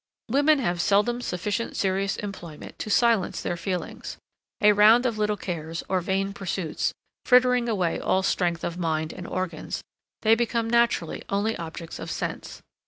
Women have seldom sufficient serious employment to silence their feelings; a round of little cares, or vain pursuits, frittering away all strength of mind and organs, they become naturally only objects of sense.